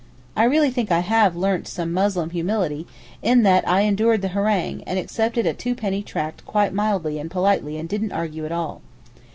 I really think I have learnt some 'Muslim humility' in that I endured the harangue, and accepted a two penny tract quite mildly and politely and didn't argue at all.